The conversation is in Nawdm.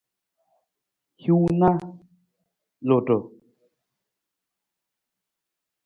Hiwung na lutu.